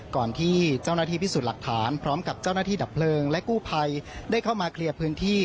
ก่อนที่เจ้าหน้าที่พิสูจน์หลักฐานพร้อมกับเจ้าหน้าที่ดับเพลิงและกู้ภัยได้เข้ามาเคลียร์พื้นที่